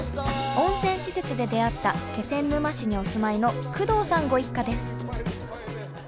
温泉施設で出会った気仙沼市にお住まいの工藤さんご一家です。